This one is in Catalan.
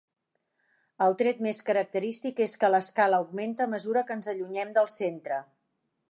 El tret més característic és que l'escala augmenta a mesura que ens allunyem del centre.